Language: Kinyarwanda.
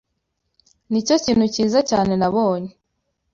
Nicyo kintu cyiza cyane nabonye.